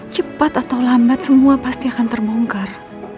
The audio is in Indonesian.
cepat atau lambat semua pasti akan terbongkar